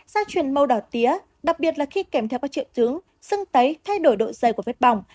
xác truyền màu đỏ tía đặc biệt là khi kèm theo các triệu chứng sưng tấy thay đổi độ dày của vết bỏng